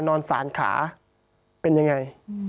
นอนสานขาเป็นยังไง